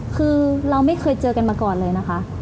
คือเราไม่เคยเจอกันมาก่อนเลยนะคะ